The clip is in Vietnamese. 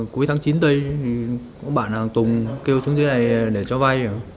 cuối tháng chín tây thì có bạn hoàng tùng kêu xuống dưới này để cho vay